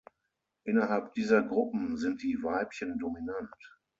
Innerhalb dieser Gruppen sind die Weibchen dominant.